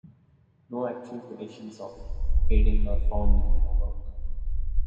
No actual quotations of Haydn are found in the work.